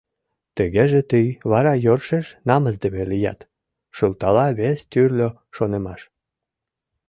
Тыгеже тый вара йӧршеш намысдыме лият!» — шылтала вес тӱрлӧ шонымаш.